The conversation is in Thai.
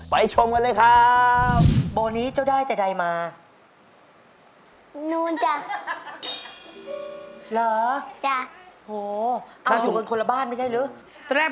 ไปชมกันหน้าครับ